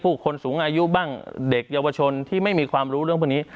ผู้คนสูงอายุบ้างเด็กเยาวชนที่ไม่มีความรู้เรื่องพวกนี้